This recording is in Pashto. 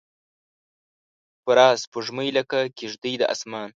پوره سپوږمۍ لکه کیږدۍ د اسمان